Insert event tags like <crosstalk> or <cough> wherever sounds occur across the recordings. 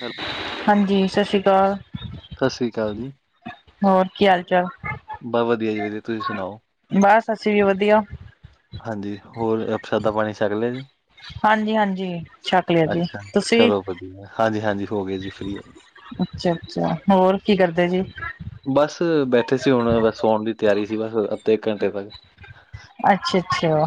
Hello. ਹਾਂਜੀ, ਸਸ ਸ਼੍ਰੀ ਅਕਾਲ। ਸਸ ਸ਼੍ਰੀ ਅਕਾਲ ਜੀ। ਹੋਰ, ਕੀ ਹਾਲ ਚਾਲ? ਬਸ ਵਧੀਆ ਜੀ ਵਧੀਆ, ਤੁਸੀਂ ਸੁਣਾਓ? ਬਸ ਅਸੀਂ ਵੀ ਵਧੀਆ। ਹਾਂਜੀ, ਹੋਰ ਪ੍ਰਸਾਦਾ ਪਾਣੀ ਛਕ ਲਿਆ ਜੀ। ਹਾਂਜੀ-ਹਾਂਜੀ, ਛੱਕ ਲਿਆ ਜੀ, ਅੱਛਾ, ਤੁਸੀ? ਚਲੋ ਵਧੀਆ ਹਾਂਜੀ-ਹਾਂਜੀ ਹੋ ਗਏ ਜੀ ਫ੍ਰੀ ਹੋ ਗਏ। ਅੱਛਾ-ਅੱਛਾ, ਹੋਰ ਕੀ ਕਰਦੇ ਸੀ? ਬਸ ਬੈਠੇ ਸੀ। ਹੁਣ ਬਸ ਸੌਣ ਦੀ ਤਿਆਰੀ ਸੀ। ਬਸ ਅੱਧੇ, ਇੱਕ ਘੰਟੇ ਤੱਕ ਅੱਛਾ-ਅੱਛਾ।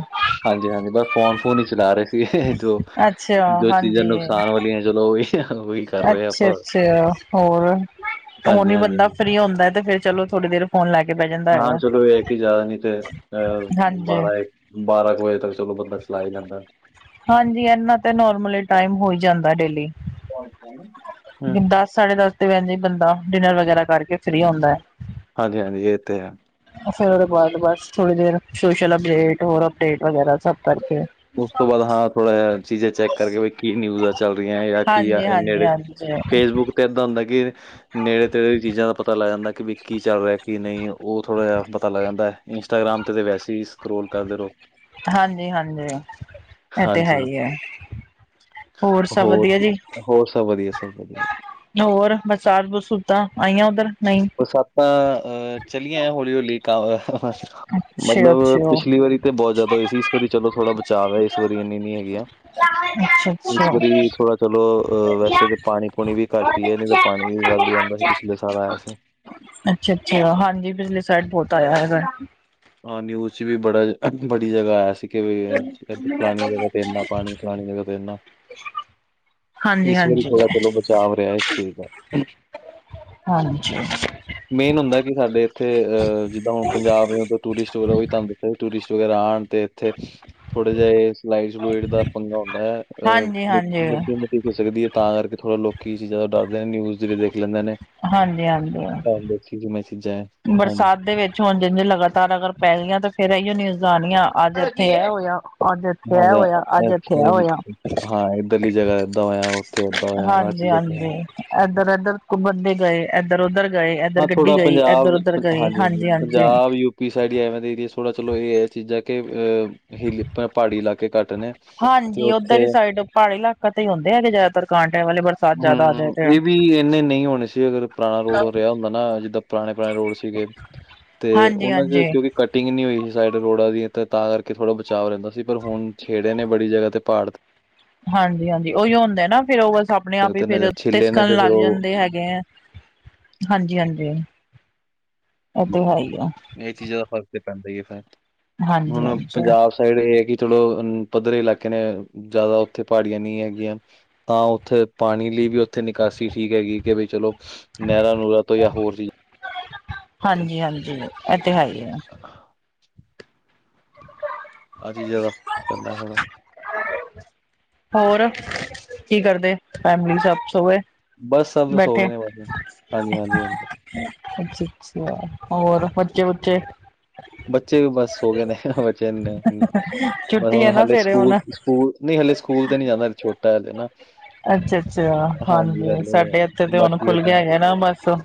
ਹਾਂਜੀ-ਹਾਂਜੀ, ਬਸ ਫੋਨ-ਫੂਨ ਹੀ ਚਲਾ ਰਹੇ ਸੀ। ਜੋ ਅੱਛਾ ਜੋ ਚੀਜ਼ਾਂ ਹਾਂਜੀ ਨੁਕਸਾਨ ਵਾਲੀਆਂ ਚਲੋ ਓਹੀ, ਓਹੀ ਕਰ ਰਹੇ ਅੱਛਾ ਆਪਾਂ। ਅੱਛਾ ਹੋਰ, ਹੁਣ ਹਾਂਜੀ-ਹਾਂਜੀ ਬੰਦਾ ਫਰੀ ਹੁੰਦਾ ਤੇ ਫੇਰ ਚਲੋ ਥੋੜੀ ਦੇਰ ਫੋਨ ਲੈ ਕੇ ਬੈਹ ਜਾਂਦਾ। ਹਾਂ, ਹੈਗਾ ਚਲੋ ਏਹ ਐ ਕਿ ਜ਼ਿਆਦਾ ਨੀ, ਤੇ ਹਾਂਜੀ ਬਾਰਾਂ ਬਾਰਾਂ ਕੁ ਵਜੇ ਤੱਕ, ਚਲੋ ਬੰਦਾ ਚਲਾ ਹੀ ਲੈਂਦਾ। ਹਾਂਜੀ, ਏਨਾਂ ਤੇ ਨੋਰਮਲ ਟਾਈਮ ਹੋਈ ਜਾਂਦਾ ਡੇਲੀ। <inaudible> ਦਸ ਸਾਢੇ ਦਸ ਤੇ ਵੈਸੇ ਈ, ਬੰਦਾ ਡਿਨਰ ਵਗੈਰਾ ਕਰਕੇ ਫਰੀ ਹੁੰਦਾ ਹੈ। ਹਾਂਜੀ-ਹਾਂਜੀ ਏਹ ਤੇ ਹੈ। ਫੇਰ, ਓਦੇ ਬਾਦ ਬਸ ਥੋੜੀ ਦੇਰ, ਸੋਸ਼ਲ ਅਪਡੇਟ ਹੋਰ ਅਪਡੇਟ ਵਗੈਰਾ ਸਭ ਕਰਕੇ। ਓਸ ਤੋਂ ਬਾਅਦ ਹਾਂ। ਥੋੜਾ ਜ ਚੀਜ਼ਾਂ ਚੈੱਕ ਕਰਕੇ, ਵੀ ਕੀ ਨਿਊਜ਼ ਚੱਲ ਰਹੀਆਂ, ਜਾਂ ਕੀ ਆ ਹਾਂਜੀ ਹਾਂਜੀ ਨੇੜੇ ਹਾਂਜੀ ਫੇਸਬੁੱਕ ਤੇ ਏਦਾਂ ਹੁੰਦਾ, ਕਿ ਨੇੜੇ ਤੇੜੇ ਚੀਜ਼ਾਂ ਦਾ ਪਤਾ ਲੱਗ ਜਾਂਦਾ ਕਿ ਕੀ ਚੱਲ ਰਿਹਾ ਕੀ ਨਹੀਂ, ਓਥੋੜ੍ਹਾ ਜਿਹਾ ਪਤਾ ਲੱਗ ਜਾਂਦਾ ਹੈ, ਇੰਸਟਾਗ੍ਰਾਮ ਤੇ ਤੇ ਵੈਸੇ ਹੀ ਸਕਰੋਲ ਕਰਦੇ ਰਹੋ। ਹਾਂਜੀ-ਹਾਂਜੀ, ਐ ਤੇ ਹੈ ਹਾਂਜੀ ਈ ਐ। ਹੋਰ ਜੀ, ਹੋਰ ਸਭ ਵਧੀਆ, ਸਭ ਵਧੀਆ। ਹੋਰ ਬਰਸਾਤ ਬਰਸੂਤਾਂ ਆਈਆਂ, ਓਧਰ ਨਹੀਂ? ਬਰਸਾਤਾਂ ਅਹ ਚੱਲੀਆਂ, ਹੌਲੀ--ਹੌਲੀ ਕ ਅੱਛਾ ਮਤਲਬ ਅੱਛਾ ਪਿਛਲੀ ਵਾਰੀ ਤੇ ਬੋਤ ਜਾ਼ਦਾ ਹੋਈ ਸੀ, ਏਸ ਵਾਰੀ ਚਲੋ, ਥੋੜਾ ਬਚਾਵ ਹੈ। ਏਸ ਵਾਰੀ ਏਨੀ ਨੀ ਹੈਗੀ ਆ। ਅੱਛਾ ਅੱਛਾ ਏਸ ਵਾਰੀ ਅੱਛਾ ਥੋੜਾ ਚਲੋ, ਵੈਸੇ ਤਾਂ ਪਾਣੀ-ਪੂਣੀ ਵੀ ਘੱਟ ਹੀ ਐ, ਨਈ ਤਾਂ ਪਾਣੀ ਵੀ ਵਾਧੂ ਆਂਦਾ ਸੀ, ਪਿਛਲੇ ਸਾਲ ਆਏਆ ਸੀ। ਅੱਛਾ-ਅੱਛਾ, ਹਾਂਜੀ, ਪਿਛਲੇ ਸਾਈਡ ਬੋਤ ਆਇਆ ਹੈਗਾ। ਹਾਂ, ਨਿਊਜ਼ ਚ ਵੀ ਬੜਾ, ਬੜੀ ਜਗ੍ਹਾ ਆਇਆ ਸੀ। ਫਲਾਣੀ ਜਗ੍ਹਾ ਤੇ ਏਨਾ ਪਾਣੀ, ਫਲਾਣੀ ਜਗ੍ਹਾ ਤੇ ਏਨਾ। ਹਾਂਜੀ ਇਸ ਵਾਰੀ ਹਾਂਜੀ ਥੋੜਾ ਚਲੋ, ਬਚਾਵ ਰਿਹਾ, ਇਸ ਚੀਜ਼ ਦਾ। ਹਾਂਜੀ। ਮੇਨ ਹੁੰਦੈ, ਕਿ ਸਾਡੇ ਏਥੇ ਅਹ ਜਿੱਦਾਂ ਹੁਣ ਪੰਜਾਬ ਨੇ ਉਦ ਟੂਰਿਸਟ ਵਲੋ ਵੀ ਤਾਂਹ ਤਂਗ ਟੂਰਿਸਟ ਵਗੈਰਾ ਆਣ ਤੇ। ਇੱਥੇ ਥੋੜਾ ਜਿ ਏ ਸਲਾਈ ਸੁਲੁਇਡ ਦਾ ਪੰਗਾ ਹੁੰਦਾ ਹੈ ਅਹ ਹਾਂਜੀ - ਹਾਂਜੀ ਹੋ ਸਕਦੀ ਹੈ ਤਾਂ ਕਰਕੇ ਥੋੜ੍ਹਾ ਲੋਕੀ ਇਸ ਚੀਜ਼ਾਂ ਦਾ ਡਰਦੇ ਨੇ ਨਿਊਜ਼ ਰੇ ਦੇਖ ਲੈਂਦਾ ਨੇ ਹਾਂਜੀ ਦੇਖੀ ਕਿ ਮੈ ਚ ਜਾਏ ਬਰਸਾਤ ਦੇ ਵੇਚ ਠੰਡ ਇੰਨੀ ਲਗਾਤਾਰ ਅਗਰ ਪੈ ਣੀਆਂ ਤੇ ਫੇਰ ਐਯੋ ਨਿਊਜਾ਼ ਆਨੀਆ ਅੱਜ ਇੱਥੇ ਇਹ ਹੋਇਆ ਅੱਜ ਏਥੇ ਏਹ ਹੈਗਾ ਹੋਇਆ, ਅੱਜ ਏਥੇ ਏਹ ਐਕਸ਼ਨ ਹੋਇਆ ਹਾਂ ਇੱਧਰਲੀ ਜਗ੍ਹਾ ਏਦਾਂ ਹੋਇਆ ਉੱਥੇ ਏਦਾਂ ਹੋਇਆ ਆਹ ਹਾਂਜੀ, ਚੀਜ਼ਾਂ ਤੇ ਹਾਂਜੀ। ਹਨ। ਏਧਰ ਉੱਧਰ ਕੁਮ‌ਦੇ ਗਏ ਏਧਰ ਉੱਧਰ ਗਏ ਏਧਰ ਹਾਂ ਗੱਡੀ ਥੋੜਾ ਗਈ ਪੰਜਾਬ ਇੱਧਰ ਉਧਰ ਗਈ ਹਾਂਜੀ, ਹਾਂਜੀ ਪੰਜਾਬ ਯੂ ਸਾਈਡ ਏਰੀਆ ਥੋੜਾ ਚਲੋ ਇਹ ਚੀਜ਼ਾਂ ਕਿ ਅਹ ਹਿੱਲੀ ਪਹਾੜੀ ਇਲਾਕੇ ਘੱਟ ਨੇ ਤੇ ਹਾਂਜੀ ਉੱਧਰ ਉੱਥੇ ਹੀ ਸਾਈਡ ਪਹਾੜੀ ਇਲਾਕਾ ਤੇ ਹੀ ਹੁੰਦੇ ਹੈਗੇ ਜ਼ਿਆਦਾਤਰ ਕਾਂਡ ਐ ਵਾਲੇ ਬਰਸਾਤ ਜਾਦਾ ਆ ਜਾਵੇ ਹੂੰ ਇਹ ਵੀ ਇੰਨੇ ਨਹੀਂ ਹੋਣੇ ਸੀ ਅਗਰ ਪੁਰਾਣਾ ਰੋਡ ਰਿਹਾ ਹੁੰਦਾ ਨਾ ਜਿੱਦਾਂ ਪੁਰਾਣੇ ਪੁਰਾਣੇ ਰੋਡ ਸੀਗੇ ਤੇ ਹਾਂਜੀ ਉਹਨਾਂ ਚ ਹਾਂਜੀ ਕਿਉਂਕਿ ਕਟਿੰਗ ਨਹੀਂ ਹੋਈ ਸੀ ਸਾਈਡ ਰੋਡਾਂ ਦੀ ਤੇ ਤਾਂ ਕਰਕੇ ਥੋੜ੍ਹਾ ਬਚਾਓ ਰਹਿੰਦਾ ਸੀ ਪਰ ਹੁਣ ਛੇੜੇ ਨੇ ਬੜੀ ਜਗ੍ਹਾ ਤੇ ਪਹਾੜ ਹਾਂਜੀ, ਹਾਂਜੀ ਉਹੀਓ ਹੁੰਦਾ ਨਾ ਫਿਰ ਉਹ ਸਬ ਆਪਣੇ ਤੇ ਆਪ ਹੀ ਤੇ ਫਿਰ ਨਜ਼ਰ ਛਿੱਲੇ ਨੇ ਤਿਸਕਣ ਤੇ ਫਿਰ ਲੱਗ ਉਹ ਜਾਂਦੇ ਹੈਗੇ ਹੈ। ਹਾਂਜੀ, ਹਾਂਜੀ ਇਹ ਤੇ ਹੈ ਹੀ ਐ। ਇਹ ਚੀਜ਼ਾਂ ਦਾ ਫਰਕ ਤੇ ਪੈਂਦਾ ਐ ਫਿਰ ਹਾਂਜੀ ਹੁਣ ਹਾਂਜੀ ਪੰਜਾਬ ਸਾਈਡ ਇਹ ਹੈ ਕਿ ਚਲੋ ਅ ਪੱਧਰੇ ਇਲਾਕੇ ਨੇ ਜ਼ਿਆਦਾ ਉੱਥੇ ਪਹਾੜੀਆਂ ਨਹੀਂ ਹੈਗੀਆਂ ਤਾਂ ਉੱਥੇ ਪਾਣੀ ਲਈ ਵੀ ਉੱਥੇ ਨਿਕਾਸੀ ਠੀਕ ਹੈਗੀ ਕਿ ਬਈ ਚਲੋ ਨਹਿਰਾਂ ਨੁਹਰਾਾਂ ਤੋਂ ਜਾਂ ਹੋਰ ਚੀਜ਼ ਹਾਂਜੀ, ਹਾਂਜੀ ਇਹ ਤੇ ਹੈ ਹੀ ਐ। ਆਹ ਆਹ ਚੀਜ਼ਾਂ ਦਾ ਪੈਂਦਾ ਥੋੜ੍ਹਾ ਹੋਰ ਕੀ ਕਰਦੇ ਫੈਮਲੀ ਸਭ ਸੋ ਗੇ? ਬਸ ਸਭ ਸੋ ਬੈਠੇ ਗਏ ਨੇ ਬਸ ਹਾਂਜੀ ਹਾਂਜੀ ਹਾਂਜੀ ਅੱਛਾ, ਅੱਛਾ ਹੋਰ ਬੱਚੇ ਬੁੱਚੇ? ਬੱਚੇ ਵੀ ਬਸ ਸੋਗਏ ਨੇ ਬੱਚੇ ਨੇ ਬ ਛੁੱਟੀ ਹੁਣ ਹੈ ਨਾ ਹਾਲੇ ਸਵੇਰੇ ਸਕੂਲ ਹੁਣ ਸਕੂਲ ਨਹੀਂ ਹਲੇ ਸਕੂਲ ਤੇ ਨਹੀ ਜਾਂਦਾ ਹਲੇ ਛੋਟਾ ਹਲੇ ਨਾ ਅੱਛਾ, ਅੱਛਾ ਹਾਂਜੀ ਹਾਲੇ ਸਾਡੇ ਏਥੇ ਤੇ ਹੁਣ ਬਾਕੀ ਇਹ ਖੁੱਲ ਤਾਂ ਗਿਆ ਹੈ ਨਾ ਮੋਸਮ।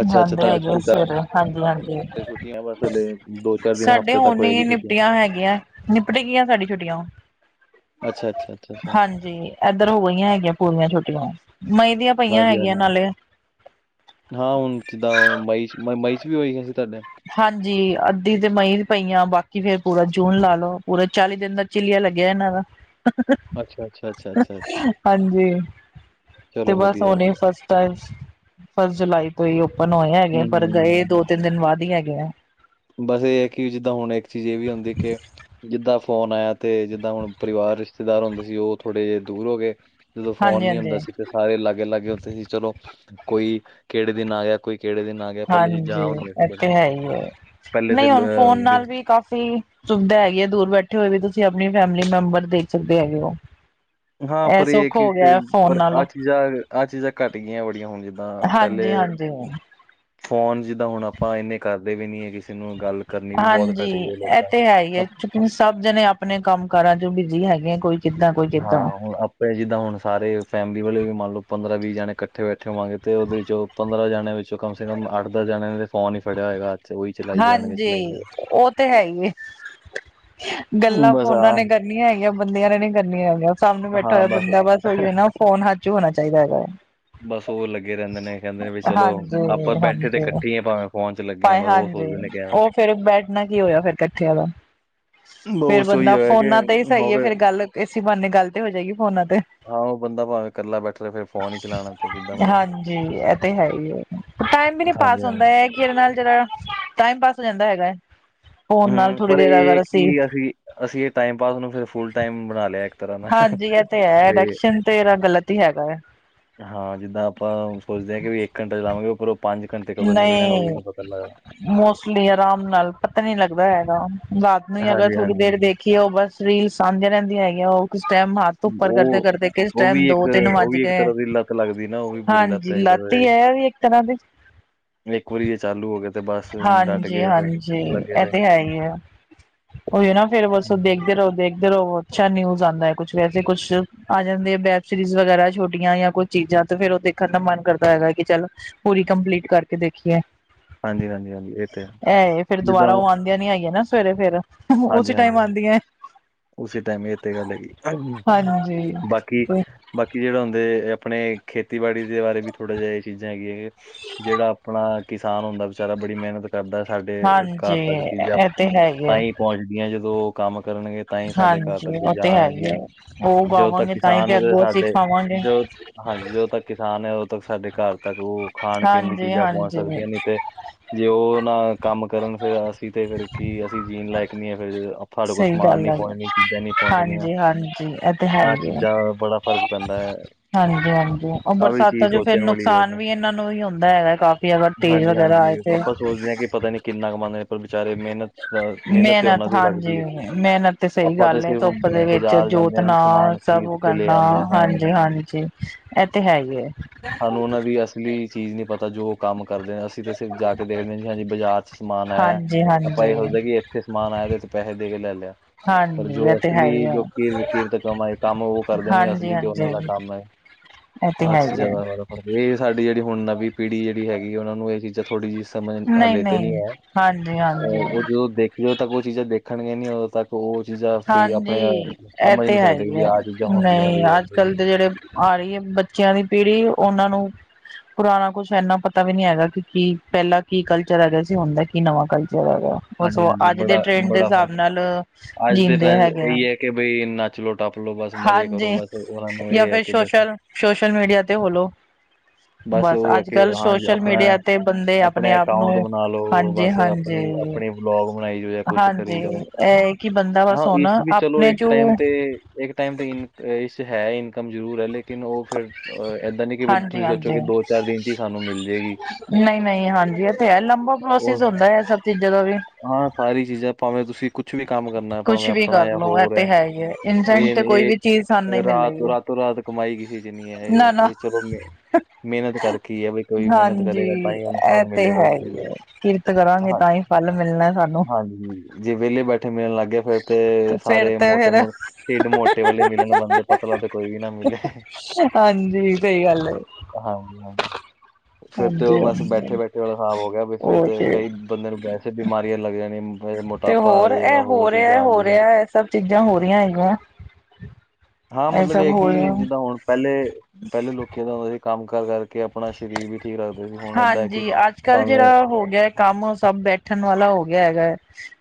ਅੱਛਾ ਅੱਛਾ ਜਾਂਦੇ ਤੁਹਾਡੇ ਹੈਗੇ ਆ ਸਕੂਲ ਤਾਂ ਸਵੇਰੇ ਹਾਂਜੀ, ਹਾਂਜੀ। ਛੁੱਟੀਆਂ ਬਸ ਹਲੇ। ਦੋ ਚਾਰ ਦਿਨ ਸਾਡੇ ਹਫ਼ਤੇ ਤੱਕ ਹੋਨੇ ਹੋਏਗੀ ਹੀਂ ਛੁੱਟੀ ਨਿਪਟੀਆਂ ਹੈਗੀਆਂ ਨਿਪਟ ਗਈਆਂ ਸਾਡੀ ਛੁੱਟੀਆਂ‌ ਅੱਛਾ, ਅੱਛਾ। ਅੱਛਾ ਹਾਂਜੀ ਏਧਰ ਹੋ ਗਈਆਂ ਹੈਗੀਆਂ ਪੂਰੀਆਂ ਛੁੱਟੀਆਂ ਮਈ ਦੀਆਂ ਪਈਆਂ ਹਾਂਜੀ ਹੈਗੀਆਂ ਹਾਂਜੀ ਨਾਲੇ। ਹਾਂ ਹੁਣ ਜਿੱਦਾਂ ਮਈਚ਼ ਮਈਚ਼ ਵੀ ਹੋਈ ਅਸੀ ਤੁਹਾਡੇ? ਹਾਂਜੀ ਅੱਧੀ ਤੇ ਮਈ ਚ ਪਈਆਂ ਬਾਕੀ ਫੇਰ ਪੂਰਾ ਜੂਨ ਲਾ ਲਓ ਪੂਰਾ ਚਾਲੀ ਦਿਨ ਦਾ ਚਲੀਆ ਲੱਗ ਗਿਆ ਇਹਨਾਂ ਦਾ ਅੱਛਾ ਅੱਛਾ ਅੱਛਾ ਅੱਛਾ ਅੱਛਾ ਹਾਂਜੀ। ਤੇ ਚਲੋ ਬਸ ਵਧੀਆ ਹੋਣੇ ਵਧੀਆ ਫਸਟ ਟਾਈਮਸ ਫਸਟ ਜੁਲਾਈ ਤੋਂ ਹੀ ਓਪਨ ਹੋਏ ਹੈਗੇ ਪਰ ਗਏ ਹਮ ਦੋ ਤਿੰਨ ਦਿਨ ਬਾਦ ਹੀ ਹੈਗੇ ਆ ਬਸ ਇਹ ਹੈ ਕਿ ਜਿੱਦਾਂ ਹੁਣ ਇੱਕ ਚੀਜ਼ ਇਹ ਵੀ ਹੁੰਦੀ ਕਿ ਜਿੱਦਾਂ ਫੋਨ ਆਇਆ ਤੇ ਜਿੱਦਾਂ ਹੁਣ ਪਰਿਵਾਰ ਰਿਸ਼ਤੇਦਾਰ ਹੁੰਦੇ ਸੀ ਉਹ ਥੋੜੇ ਜਿਹੇ ਦੂਰ ਹੋ ਗਏ ਜਦੋਂ ਫੋਨ ਹਾਂਜੀ ਨੀ ਹਾਂਜੀ ਹੁੰਦਾ ਸੀ ਤੇ ਸਾਰੇ ਲਾਗੇ ਲਾਗੇ ਉੱਦੇ ਸੀ ਚਲੋ ਕੋਈ ਕਿਹੜੇ ਦਿਨ ਆ ਗਿਆ ਕੋਈ ਕਿਹੜੇ ਦਿਨ ਆ ਗਿਆ ਪਹਿਲੇ ਚੀਜ਼ਾਂ ਹਾਂਜੀ ਆਹ ਹੁੰਦੀਆਂ ਸੀ ਇਹ ਤੇ ਬੜੀ ਹੈ ਹੀ ਹੈ ਪਹਿਲੇ ਤੇ ਨਹੀਂ ਲ- ਹੁਣ ਅਹ ਫੋਨ ਨਾਲ ਹੁੰਦੀ- ਵੀ ਕਾਫ਼ੀ ਸੁਵਿਧਾ ਹੈਗੀ ਹੈ ਦੂਰ ਬੈਠੇ ਹੋਏ ਵੀ ਤੁਸੀਂ ਆਪਣੀ ਫੈਮਿਲੀ ਮੈਂਬਰ ਦੇਖ ਸਕਦੇ ਹੈਗੇ ਹੋ ਹਾਂ ਪਰ ਇਹ ਸੁੱਖ ਕੀ ਹੋ ਗਿਆ ਫੋਨ ਪਰ ਆਹ ਨਾਲੋਂ ਚੀਜ਼ਾਂ ਆਹ ਚੀਜ਼ਾਂ ਘੱਟ ਗਈਆਂ ਬੜੀਆਂ ਹੁਣ ਜਿੱਦਾਂ ਪੈਲੇ ਹਾਂਜੀ <inaudible> ਫੋਨ ਜਿੱਦਾਂ ਹੁਨ ਆਪਾਂ ਇੰਨੇ ਕਰਦੇ ਵੀ ਨੀ ਐ ਕਿਸੇ ਨੂੰ ਗੱਲ ਕਰਨੀ ਵੀ ਬੋਤ ਘਟ ਗਈ ਐ ਲੋਕਾਂ ਨਾਲ। ਚ ਕੇ ਸਬ ਜਨੇ ਆਪਨੇ ਕੰਮ ਕਾਰਾਂ ਚ ਬਿਜੀ ਹੈਗੇ ਆ ਕੋਈ ਕਿੱਦਾਂ ਕੋਈ ਕਿੱਦਾਂ ਹਾਂ ਹੁਨ ਆਪੇ ਜਿੱਦਾਂ ਹੁਨ ਸਾਰੇ ਫੈਮਿਲੀ ਵਾਲੇ ਵੀ ਮੰਨ ਲੋ ਪੰਦਰਾਂ ਵੀਹ ਜਾਨੇ ਕੱ- ਕੱਠੇ ਬੈਠੇ ਹੋਵਾਂਗੇ ਤੇ ਓਦੇ ਵਿੱਚੋਂ ਪੰਦਰਾਂ ਜਾਨੇਆਂ ਵਿੱਚੋਂ ਕਮ ਸੇ ਕਮ ਅੱਠ ਦਸ ਜਾਨੇਆਂ ਨੇ ਫੋਨ ਈ ਫੜੇਆ ਹੋਏਗਾ। ਚ ਉਹੀ ਚਲਾਈ ਜਾਣਗੇ ਚਲਾਈ ਹਾਂਜੀ ਜਾਣ ਓ ਤੇ ਹੈ ਈ ਏ, ਗੱਲਾਂ ਬਸ ਫੋਨਾਂ ਆਹ ਨੇ ਕਰ ਕਰਨੀਆਂ ਹੈਗੀਆਂ ਬੰਦੇਆਂ ਨੇ ਨੀ ਕਰਨੀਆਂ ਹੈਗੀਆਂ ਓ ਸਾਮਨੇ ਬੈਠਾ ਹੋਏਆ ਬੰਦਾ ਬਸ ਓਈਓ ਨਾ ਫੋਨ ਹੱਥ ਚ ਹੋਨਾ ਚਾਈਦਾ ਹੈਗਾ। ਬਸ ਓ ਲੱਗੇ ਰੈਂਦੇ ਨੇ ਕੈਂਦੇ ਨੇ ਵੀ ਚਲੋ ਆਪਾਂ ਹਾਂਜੀ ਬੈਠੇ ਤੇ ਕੱਠੀ ਆ ਭਾਵੇਂ ਫੋਨ ਚ ਲੱਗੇ ਆਂ ਬਸ ਓ ਓ ਫੇਰ ਬੈਠਨਾ ਕੀ ਹੋਏਆ ਫੇਰ ਕੱਠਿਆਂ ਦਾ। ਫੇਰ ਬਹੁਤ ਸੋਈ ਬੰਦਾ ਹੋਇਆ ਕਿ ਫੋਨਾਂ ਤੇ ਈ ਸਈ ਐ ਹੋਵੇ ਫੇਰ ਗੱਲ ਇਸ ਬਾਨੇ ਗੱਲ ਤੇ ਹੋ ਜਾਏਗੀ ਫੋਨਾਂ ਤੇ। ਆਹੋ ਬੰਦਾ ਭਾਵੇਂ ਕੱਲਾ ਬੈਠ ਰਏ ਫੇਰ ਫੋਨ ਈ ਚਲਾਨਾ ਤੇ ਜਿੱਦਾਂ ਮਰਜ਼ੀ ਹਾਂਜੀ ਐ ਤੇ ਹੈ ਈ ਐ। ਟਾਈਮ ਵੀ ਨੀ ਪਾਸ ਹਾਂਜੀ ਹਾਂਜੀ ਹੁੰਦਾ ਐੲ ਕੇ ਏਦੇ ਨਾਲ ਜੇੜਾ ਟਾਈਮ ਪਾਸ ਹੋ ਜਾਂਦਾ ਹੈਗਾ ਐ। ਫੋਨ ਨਾਲ ਥੋੜ੍ਹੀ ਦੇਰ ਅਗਰ ਅਸੀਂ ਅਸੀਂ ਏਹ ਟਾਈਮ ਪਾਸ ਨੂੰ ਫੇਰ ਫੁੱਲ ਟਾਈਮ ਬਨਾ ਲਿਆ। ਤਰ੍ਹਾਂ ਨਾਲ ਹਾਂਜੀ ਏ ਤੇ ਹੈ ਵੀ ਅਡੈਕਸ਼ਨ ਤੇ ਏਦਾ ਗ਼ਲਤ ਈ ਹੈਗਾ ਐ। ਹਾਂ ਜਿੱਦਾਂ ਆਪਾਂ ਸੋਚਦੇ ਆਂ ਕੇ ਵੀ ਇੱਕ ਘੰਟਾ ਚਲਾਵਾਂਗੇ ਓ ਫੇਰ ਪੰਜ ਘੰਟੇ ਕਦੋਂ ਨਿਕਲ ਜਾਨ ਓ ਵੀ ਨਹੀਂ ਨੀ ਪਤਾ ਲੱਗਦਾ। ਮੋਸਟਲੀ ਆਰਾਮ ਨਾਲ ਪਤਾ ਨੀ ਲੱਗਦਾ ਹੈਗਾ ਰਾਤ ਨੂੰ ਈ ਅਗਰ ਹਾਂਜੀ ਥੋੜੀ ਹਾਂਜੀ ਦੇਰ ਹਾਂਜੀ ਦੇਖ ਕੇ ਓ ਬਸ ਰੀਲ ਸਾਂਬਦੀਆਂ ਰੈਂਦੀਆਂ ਹੈਗੀਆਂ ਓ ਕਿਸ ਟਾਈਮ ਹੱਥ ਉੱਪਰ ਉਹ ਕਰਦੇ-ਕਰਦੇ ਕਿਸ ਉਹ ਟਾਈਮ ਵੀ ਇੱਕ ਦੋ ਤਿੰਨ ਉਹ ਵੱਜ ਵੀ ਇੱਕ ਗਏ, ਤਰ੍ਹਾਂ ਦੀ ਲੱਤ ਲੱਗਦੀ ਨਾ ਉਹ ਵੀ ਬੁਰੀ ਹਾਂਜੀ ਹੈ ਇੱਕ ਲੱਤ ਈ ਐ ਵੀ। ਇਸ ਤਰ੍ਹਾਂ ਦੇ ਨਈ ਇੱਕ ਵਾਰੀ ਏਹ ਚਾਲੂ ਹੋ ਗੇਆ। ਹਾਂਜੀ-ਹਾਂਜੀ ਐ ਰਹੇ ਤੇ ਹੈ ਈ ਐ। ਓਈ ਨਾ ਫ਼ੇਰ ਬੱਸ ਹਮ। ਦੇਖਦੇ ਰਹੋ ਦੇਖ ਫੇਰ ਓ ਅੱਛਾ ਨਿਊਜ ਆਂਦਾ ਕੁਛ ਵੈਸੇ ਕੁਛ ਆ ਜਾਂਦੇ ਵੈਬ ਸੀਰੀਜ ਵਗੈਰਾ ਛੋਟੀਆਂ ਜਾਂ ਕੋਈ ਚੀਜ਼ਾਂ ਤੇ ਫੇਰ ਓ ਦੇਖਨ ਦਾ ਮਨ ਕਰਦਾ ਹੈਗਾ ਕੇ ਚੱਲ ਪੂਰੀ ਕੰਪਲੀਟ ਕਰਕੇ ਦੇਖੀਏ। ਹਾਂਜੀ-ਹਾਂਜੀ-ਹਾਂਜੀ ਏਹ ਤੇ ਹੈ, ਜਿੱਦਾਂ ਆਂਦੀਆਂ ਨੀ ਹੈਗੀਆਂ ਨਾ ਸਵੇਰੇ ਫੇਰ, ਓਸੇ ਹਾਂਜੀ ਟਾਈਮ ਹਾਂਜੀ ਹਾਂਜੀ। ਆਂਦੀਆਂ। ਉਸੇ ਟਾਈਮ ਏਹ ਤੇ ਗੱਲ ਹੈਗੀ ਹਾਂਜੀ, ਬਾਕੀ ਬਾਕੀ ਜੇੜੇ ਹੁੰਦੇ ਆਪਨੇ ਖੇਤੀਬਾੜੀ ਦੇ ਬਾਰੇ ਵੀ ਥੋੜ੍ਹਾ ਜਾ ਏਹ ਚੀਜ਼ਾਂ ਹੈਗੀਆਂ। ਜੇੜਾ ਆਪਨਾ ਕਿਸਾਨ ਹੁੰਦਾ ਵਿਚਾਰਾ ਬੜੀ ਮੇਹਨਤ ਕਰਦਾ ਸਾਡੇ ਘਰ ਹਾਂਜੀ ਤੱਕ ਚੀਜ਼ਾਂ ਇਹ ਤੇ ਹੈ ਹੀ ਹੈ ਤਾਂਈ ਪਹੁੰਚਦੀਆਂ ਜਦੋਂ ਓ ਕੰਮ ਕਰਨਗੇ। ਤਾਂਈ ਸਾਡੇ ਘਰ ਹਾਂਜੀ ਤੱਕ ਉਹ ਚੀਜ਼ਾਂ ਤੇ ਹੈ ਹੀ ਹੈ ਆਨਗੀਆਂ, ਉਹ ਜਦੋ ਤੱਕ ਉਗਾਵਾਂਗੇ ਤਾਂ ਹੀ ਤੇ ਕਿਸਾਨ ਦੇ ਅੱਗੋਂ ਅਸੀਂ ਸਾਡੇ ਖਾਵਾਂਗੇ ਜੋ ਹਾਂਜੀ ਜਦੋਂ ਤੱਕ ਕਿਸਾਨ ਐ ਓਦੋਂ ਤੱਕ ਸਾਡੇ ਘਰ ਤੱਕ ਓ ਖਾਣ ਪੀਨ ਦੀ ਹਾਂਜੀ ਚੀਜ਼ਾਂ ਪਹੁੰਚ ਹਾਂਜੀ ਸਕਦੀਆਂ ਨੇ ਤੇ ਜੇ ਓ ਨਾ ਕੰਮ ਕਰਨ ਫੇਰ ਅਸੀਂ ਤੇ ਫੇਰ ਕੀ ਅਸੀਂ ਜੀਨ ਲਾਇਕ ਨਈ ਐਹ ਫਿਰ ਅਪ ਸਈ ਗੱਲ ਐ ਫੇਰ। ਏ ਚੀਜ਼ਾਂ ਨਈ ਪਹੁੰਚਨੀਆਂ, ਤੇ ਹੈ ਆਹ ਚੀਜ਼ਾਂ ਬੜਾ ਫ਼ਰਕ ਪੈਂਦਾ ਐ। ਹਾਂਜੀ-ਹਾਂਜੀ ਓ ਬਰਸਾਤਾਂ ਚ ਫੇਰ ਵਾਲੀ ਹੈ ਨੁਕਸਾਨ ਵੈਸੇ ਵੀ ਏਨਾਂ ਨੂੰ ਈ ਹੁੰਦਾ ਹੈਗਾ ਕਾਫ਼ੀ ਅਗਰ ਤੇਜ਼ ਵਗੈਰਾ ਆਏ। ਤੇ ਏ ਕੀ ਪਤਾ ਨੀ ਕਿੰਨਾ ਕਮਾਂਦੇ ਨੇ ਪਰ ਵਿਚਾਰੇ ਮੇਹਨਤ ਮੇਹਨਤ ਤੇ ਓਨਾਂ ਦੀ ਲੱਗਦੀ ਐ। ਮੇਹਨਤ ਤੇ ਸਈ ਗੱਲ ਐ ਧੁੱਪ ਦੇ ਵਿੱਚ ਬਾਜ਼ਾਰ ਜਾਂਦੇ ਹਾਂ ਜੀ ਜੋਤਣਾ ਸਮਾਨ ਸਬ ਖਰੀਦ ਕੇ ਲੈ ਉਗਾਨਾ ਆਉਂਦੇ ਹਾਂ ਹਾਂਜੀ ਹਾਂਜੀ-ਹਾਂਜੀ। ਐੲ ਤੇ ਹੈ ਈ ਐ। ਲੀ ਚੀਜ਼ ਨੀ ਪਤਾ ਜੋ ਕੰਮ ਕਰਦੇ। ਅਸੀਂ ਤਾਂ ਸਿਰਫ ਜਾ ਕੇ ਦੇਖਣੇ ਹਾਂ ਜੀ ਹਾਂਜੀ ਅੱਜ ਬਾਜ਼ਾਰ ਚ ਸਮਾਨ ਆਯਾ। ਹਾਂਜੀ ਆਪਾਂ ਹਾਂਜੀ ਏ ਸੋਚਦੇ ਕਿ ਇੱਥੇ ਸਮਾਨ ਆਯਾ, ਤੇ ਅਸੀ ਪੈਹੇ ਦੇ ਕੇ ਲੈ ਲਯਾ। ਹਾਂਜੀ ਐ ਤੇ ਹੈ ਹੀ ਐ, ਕਿਰਤ ਕਮਾਈ ਕੰਮ ਉਹ ਕਰਦੇ ਨੇ ਅਸਲੀ ਤੇ ਉਹਨਾਂ ਹਾਂਜੀ-ਹਾਂਜੀ। ਦਾ ਕੰਮ ਐ ਤੇ ਹੈ ਈ ਐ। ਏ ਸਾਡੀ ਜੇੜੀ ਹੁਣ ਨਵੀਂ ਪੀੜੀ ਜੇੜੀ ਹੈਗੀ, ਓਨਾਂ ਨੂੰ ਏ ਚੀਜ਼ਾਂ ਥੋੜ੍ਹੀ ਜੀ ਸਮਝ ਨਹੀਂ ਹੱਲੇ ਤੇ ਨੀ ਨਹੀਂ ਐ ਹਾਂਜੀ ਅਹ ਹਾਂਜੀ ਓ ਜਦੋਂ ਦੇਖਣ ਜਦੋਂ ਤੱਕ ਓ ਚੀਜ਼ਾਂ ਦੇਖਣਗੇ ਨੀ ਉਦੋਂ ਤੱਕ ਉਹ ਚੀਜ਼ਾਂ ਫੇ ਆਪਣੇ ਹਾਂਜੀ ਇਹ ਸਮਝ ਨੀ ਤੇ ਹੈ ਸਕਦੇ ਹੀ ਵੀ ਆ ਆਹ ਚੀਜ਼ਾਂ ਹੁੰਦੀਆਂ ਨਹੀਂ ਵੀ ਐ। ਅੱਜ ਕੱਲ ਦੇ ਜਿਹੜੇ ਆ ਰਈ ਐ ਬੱਚਿਆਂ ਦੀ ਪੀੜ੍ਹੀ, ਓਨਾਂ ਨੂੰ ਪੁਰਾਣਾ ਕੁਛ ਏਨਾ ਪਤਾ ਵੀ ਨੀ ਹੈਗਾ ਕਿ, ਕੀ ਪੈਲਾ ਕੀ ਕਲਚਰ ਹੈਗਾ ਸੀ, ਹੁਣ ਦਾ ਕੀ ਨਵਾਂ ਕਲਚਰ ਹੈਗਾ। ਓ ਹਾਂਜੀ ਸੋ ਹਾਂਜੀ ਅੱਜ ਦੇ ਬੜਾ ਟਰੈਂਡ ਦੇ ਬੜਾ ਫਰਕ ਹਿਸਾਬ ਨਾਲ ਜੀਂਦੇ ਹੈਗੇ ਆ। ਕੇ ਬਈ ਏਨਾ ਚੋ ਟੱਪ ਲੋ, ਬਸ ਮਜ਼ੇ ਕਰੋ ਹਾਂਜੀ। ਬਸ ਓਨਾਂ ਨੂੰ ਏ ਜਾਂ ਐ ਫਿਰ ਕਿ ਬਸ ਸੋਸ਼ਲ ਸੋਸ਼ਲ ਮੀਡੀਆ ਤੇ ਹੋਲੋ ਬਸ ਓ ਐ ਅੱਜ ਕਿ ਕੱਲ੍ਹ ਹਾਂ ਸੋਸ਼ਲ ਮੀਡੀਆ ਤੇ ਬੰਦੇ ਆਪਣੇ ਅਪਣੇ-ਆਪਣੇ ਆਪ ਨੂੰ ਅਕਾਊਂਟ ਬਣਾ ਲੋ ਹਾਂਜੀ ਬਸ ਹਾਂਜੀ। ਅਪਣੀ-ਅਪਣੀ ਬਲੋਗ ਬਣਾਈ ਜਾਓ ਯਾਂ ਕੁਛ ਕਰੀ ਹਾਂਜੀ ਜਾਓ, ਇਹ ਕਿ ਬੰਦਾ ਬਸ ਹਾਂ ਹੁਣ ਇਸ ਵੀ ਚਲੋ ਆਪਣੇ ਏਕ ਜੋ ਟਾਇਮ ਤੇ ਏਕ ਟਾਈਮ ਤੇ ਇਨ ਹੈ, ਇਸ ਇਨਕਮ ਜ਼ਰੂਰ ਐ, ਲੇਕ ਲੇਕਿਨ ਓ ਫਿਰ ਏਦਾਂ ਨੀ ਕਿ ਵੀ ਹਾਂਜੀ ਤੁਸੀਂ ਸੋਚੋ ਕਿ ਦੋ-ਚਾਰ ਦਿਨ ਚ ਈ ਸਾਨੂੰ ਮਿਲ ਜੇਗੀ। ਨਈ-ਨਈ ਹਾਂਜੀ ਐ ਤੇ ਹੈ, ਲੰਬਾ ਪ੍ਰੋਸੈਸ ਉਹ ਹੁੰਦਾ ਐ ਸਭ ਚੀਜ਼ਾਂ ਦਾ ਤੇ ਹਾਂ, ਸਾਰੀ ਚੀਜ਼ਾਂ ਪਾਵੇਂ ਤੁਸੀਂ ਕੁਛ ਵੀ ਕੰਮ ਕਰਨਾ ਕੁਛ ਪਾਵੇਂ ਵੀ ਆਪਣਾ ਯਾਂ ਕਰਲੋ ਇਹ ਹੋਰ ਤੇ ਹੈ, ਹੀ ਇਨਸੈਂਟ ਏ ਤੇ ਨੀ ਕੋਈ ਏ ਵੀ ਚੀਜ਼ ਸਾਨੂੰ ਨਹੀਂ ਮਿਲ ਰਾਤੋਂ-ਰਾਤ ਰਹੀ ਹੈ ਰਾਤੋਂ-ਰਾਤ ਕਮਾਈ ਕਿਸੇ ਚ ਨੀ ਐ ਨਾ ਨਾ ਏ-ਏ ਚਲੋ ਮ ਮੇਨਤ ਕਰਕੇ ਈ ਐ ਵੀ ਕੋਈ ਮੇਨਤ ਹਾਂਜੀ ਕਰੇਗਾ ਤਾਂ ਈ ਓਨੂੰ ਇਹ ਫਲ ਤੇ ਮਿਲੇਗਾ ਹੈ ਉਸ ਚੀਜ਼ ਹੀ ਹੈ ਕਿਰਤ ਕਰਾਂਗੇ ਦਾ ਤਾਂ ਹੀ ਫਲ ਮਿਲਣਾ ਸਾਨੂੰ ਹਾਂਜੀ, ਜੇ ਵੇਲੇ ਬੈਠੇ ਮਿਲਣ ਲੱਗ ਗਯਾ ਫੇਰ ਤੇ ਫੇਰ ਸਾਰੇ ਤੇ ਫੇਰ ਮੋਟੇ-ਮੋ ਢਿੱਡ ਮੋਟੇ ਵਾਲੇ ਮਿਲਣ ਬੰਦੇ, ਪਤਲਾ ਤੇ ਕੋਈ ਵੀ ਨਾ ਮਿਲੇ। ਹਾਂਜੀ, ਸਈ ਗੱਲ ਏ। ਹਾਂ-ਹਾਂ। ਫਿਰ ਤੇ ਓ ਬਸ ਹਾਂਜੀ ਬੈਠੇ-ਬੈਠੇ ਵਾਲਾ ਸਾਬ ਹੋ ਗਯਾ, ਵੀ ਫਿਰ ਤੇ ਕਈ ਬੰਦੇ ਨੂੰ ਬੈਠ ਤੇ ਆ ਹੋਰ ਐ ਜਾਏਗਾ ਹੋ ਹੋਰ ਰੇਆ ਐ ਚੀਜ਼ਾਂ ਆ ਹੋ ਕੇ ਜਾਂ ਮੱ ਜਾਏਗੀ ਰਿਹਾ ਐ ਸਭ ਚੀਜ਼ਾਂ ਹੋ ਰਹੀਆਂ ਹੈਗੀਆਂ। ਹਾਂ ਐ ਮਤਲਬ ਇਹ ਸਬ ਹੈ ਹੋ ਕਿ ਰੇਆ। ਜਿੱਦਾਂ ਹੁਣ ਪੈਲੇ, ਪੈਲੇ ਲੋਕੀ ਦਾ ਹੁੰਦਾ ਸੀ ਕੰਮ-ਕਾਰ ਕਰਕੇ ਆਪਣਾ ਸਰੀਰ ਵੀ ਠੀਕ ਰੱਖ ਹਾਂਜੀ, ਅੱਜ-ਕੱਲ੍ਹ ਜੇੜਾ ਹੋ ਗਿਆ ਕੰਮ ਸਭ ਬੈਠਣ ਵਾਲਾ ਹੋ ਗਿਆ ਹੈਗਾ।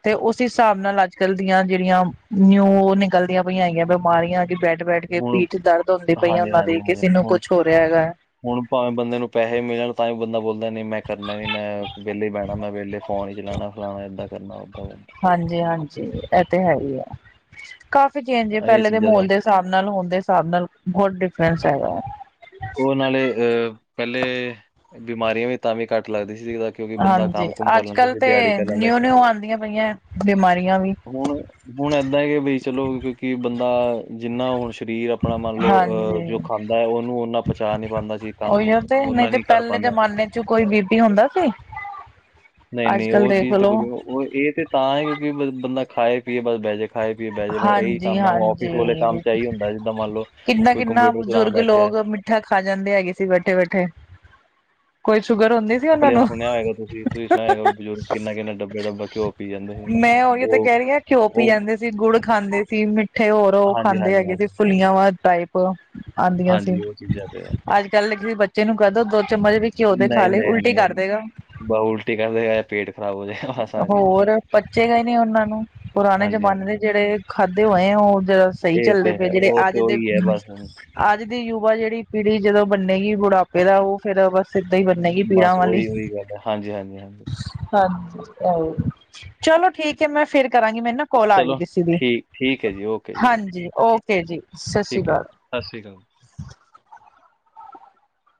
ਤੇ ਉਸ ਹਿਸਾਬ ਨਾਲ ਅੱਜ-ਕੱਲ੍ਹ ਦੀਆਂ ਜੇੜੀਆਂ ਨਿਊ ਨਿਕਲਦੀਆਂ ਪਈਆਂ ਹੈਗੀਆ ਬਿਮਾਰੀਆਂ, ਕਿ ਬੈਠ ਬੈਠ-ਬੈਠ ਕੇ ਹੁਣ ਪੀਠ ਦਰਦ ਹੁੰਦੀ ਪਈ ਐ ਹਾਂਜੀ ਓਨਾਂ ਹਾਂਜੀ ਦੀ, ਹਾਂਜੀ ਕਿਸੇ ਨੂੰ ਹੁਣ ਕੁਛ ਹੋ ਰਿਹਾ ਹੈਗਾ। ਹੁਣ ਭਾਵੇਂ ਬੰਦੇ ਨੂੰ ਪੈਹੇ ਮਿਲਣ, ਤਾਂ ਵੀ ਬੰਦਾ ਬੋਲ ਨੀ ਮੈਂ ਕਰਨਾ ਨੀ, ਮੈਂ ਵੇਲੇ ਈ ਬੈਣਾ, ਮੈਂ ਵੇਲੇ ਫੋਨ ਈ ਚਲਾਣਾ-ਫਲਾਣਾ ਏਦਾਂ ਕਰਨਾ, ਓਦਾਂ ਕਰ ਹਾਂਜੀ-ਹਾਂਜੀ, ਐ ਤੇ ਹੈ ਈ ਐ ਕਾਫੀ ਚੇਂਜ ਏ ਇਹ ਪੈਲੇ ਦੇ ਚੀਜ਼ਾਂ ਮਾਹੌਲ ਦਾ ਦੇ ਹਿ ਹਸਾਬ ਨਾਲ ਹੋਣ ਦੇ ਸਾਬ ਨਾਲ ਬੋਹਤ ਡਿਫਰੈਂਸ ਹੈਗਾ। ਓ ਨਾਲੇ ਅ ਪੈਲੇ ਬਿਮਾਰੀਆਂ ਵੀ ਤਾਂਵੀ ਘੱਟ ਲੱਗਦੀ ਸੀ ਕਿਉਂਕਿ ਬੰਦਾ ਹਾਂਜੀ ਕੰਮ-ਕੁਮ ਕਰ ਅੱਜ ਲੈਂਦਾ ਕੱਲ੍ਹ ਸੀ, ਦਿਹਾੜੀ ਤੇ ਕਰ ਲੈਂਦਾ ਸੀ। ਨਿਊ ਨਿਊ ਆਉਂਦੀਆਂ ਪਈਆਂ ਬਿਮਾਰੀਆਂ ਵੀ ਹੁਣ ਹੁਣ ਏਦਾਂ ਕਿ ਬਈ ਚਲੋ, ਕਿਉਂਕਿ ਬੰਦਾ ਜਿੰਨਾ ਹੁਣ ਸਰੀਰ ਆਪਣਾ ਮੰਨ ਲੋ ਅਹ ਹਾਂਜੀ। ਜੋ ਖਾਂਦਾ ਓਨੂੰ ਓਨਾਂ ਪਚਾ ਨੀ ਪਾਂਦਾ ਸੀ, ਕੰਮ ਉਹੀਓ ਤੇ ਓਨਾ ਨਹੀਂ ਤੇ ਨੀ ਕਰ ਪਹਿਲੇ ਪਾਂਦਾ। ਜਮਾਨੇ ਚ ਕੋਈ ਬੀਪੀ ਹੁੰਦਾ ਸੀ ਅੱਜ ਨਈ-ਨਈ ਕੱਲ ਓ ਦੇਖ ਚੀਜ਼ ਤੇ ਕੁਝ ਲੋ ਏ ਤੇ ਤਾਂ ਏ ਕਿਉਕਿ ਬੰਦਾ ਖਾਏ-ਪੀਏ ਤੇ ਬਸ ਬੈਜੇ। ਖਾਏ-ਪੀਏ ਬਹਿ ਜੇ, ਬਸ ਏਹੀ ਹਾਂਜੀ ਕੰਮ ਏ। ਓ ਆੱਫਿਸ ਵਾਲੇ ਹਾਂਜੀ ਕੰਮ ਚ ਏਹੀ ਹੁੰਦਾ, ਜਿੱਦਾਂ ਮੰਨ ਲਓ ਕੋਈ ਕੰਪਿਊਟਰ ਚਲਾਣ ਬੈਠੇਆ। ਮੀਠਾ ਖਾ ਜਾਂਦੇ ਹੈਗੇ ਸੀ, ਬੈਠੇ-ਬੈਠੇ ਕੋਈ ਸ਼ੂਗਰ ਹੁੰਦੀ ਸੀ ਉਹਨਾਂ ਆਪਣੇ <inaudible> ਨੂੰ ਸੁਣਿਆ ਹੋਏਗਾ ਤੁਸੀਂ, ਤੁਸੀਂ ਸੁਨਿਆ ਹੋਏਗਾ, ਬਜ਼ੁਰਗ ਕਿੰਨਾ-ਕਿੰਨਾ ਡੱਬੇ-ਡੱਬੇ ਘਿਓ ਪੀ ਜਾਂਦੇ ਸੀ। ਮੈਂ ਓਹੀਓ ਤੇ ਉਹ ਕੈਹ ਰਹੀ ਆਂ, ਘਿਓ ਪੀ ਉਹ ਜਾਂਦੇ ਸੀ। ਗੁੜ ਖਾਂਦੇ ਸੀ। ਮਿੱਠੇ ਹੋਰ ਓ, ਹਾਂਜੀ ਖਾਂਦੇ ਹਾਂਜੀ ਹੈਗੇ ਸੀ ਹਾਂਜੀ ਫੁੱਲੀਆਂ ਵਾਂ ਡਾਈਟ ਆਂਦੀਆਂ ਸੀ, ਹਾਂਜੀ ਉਹ ਚੀਜ਼ਾਂ ਤੇ ਹੈ ਅੱਜਕੱਲ੍ਹ ਕਿਸੇ ਬੱਚੇ ਨੂੰ ਕੈਹਦੋ, ਦੋ ਚਮਚ ਵੀ ਘਿਓ ਦੇ ਨਹੀਂ ਖਾਲੇ, ਨਹੀਂ ਉਲਟੀ ਕਰ ਨਹੀਂ ਦੇਗਾ ਬਾ ਉਲਟੀ ਕਰ ਦੇਗਾ ਜਾਂ ਪੇਟ ਖਰਾਬ ਹੋ ਜਾਏਗਾ ਬਸ ਆ ਚੀਜ਼ ਦਾ ਹੋਰ ਪੱਚੇਗਾ ਈ ਨੀ ਓਨਾਂ ਨੂੰ, ਪੁਰਾਣੇ ਹਾਂਜੀ ਜਮਾਨੇ ਦੇ ਹਾਂਜੀ ਜੇੜੇ ਜੇੜੇ ਖਾਧੇ ਹੋਏ ਆ, ਓ ਜਰਾ ਸਹੀ ਇਹ ਚੱਲਦੇ ਤੇ ਪਏ ਹੈ ਜੇੜੇ ਉਹ ਅੱਜ ਤੇ ਦੇ ਉਹੀ ਹੈ ਬਸ ਹੁਣ ਅੱਜ ਦੀ ਯੁਵਾ ਜੇਹੜੀ ਪੀੜ੍ਹੀ, ਜਦੋਂ ਬੰਨੇਗੀ। ਬੁਡਾਪੇ ਫੇਰ ਓ, ਫੇਰ ਬਸ ਏਦਾਂ ਹੀ ਬੰਨੇਗੀ ਪੀੜਾਂ ਬਸ ਵਾਲੀ ਉਹੀ ਉਹੀ ਗੱਲ ਹੈ ਹਾਂਜੀ ਹਾਂਜੀ ਹਾਂਜੀ ਹਾਂਜੀ, ਚਲੋ ਠੀਕ ਹੈ, ਮੈਂ ਫੇਰ ਕਰਾਂਗੀ। ਮੈਨੂੰ ਨਾ ਕੌਲ ਆ ਚਲੋ ਰਹੀ ਦੀ ਠੀਕ -ਠੀਕ ਏ ਜੀ, ਓਕੇ ਜੀ ਹਾਂਜੀ ਓਕੇ ਜੀ ਸਤਿ ਸ਼੍ਰੀ ਠੀਕ ਹੈ ਅਕਾਲ ਜੀ, ਸਤਿ ਸ਼੍ਰੀ ਅਕਾਲ